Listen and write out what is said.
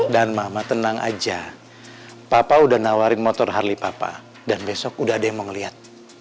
dan mama tenang aja papa udah nawarin motor harley papa dan besok udah ada yang mau ngeliat